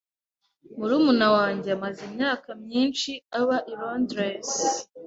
Murumuna wanjye amaze imyaka myinshi aba i Londres.